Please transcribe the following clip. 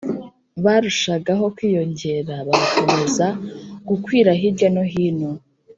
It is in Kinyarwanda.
Barushagaho kwiyongera bagakomeza gukwira hirya no hino.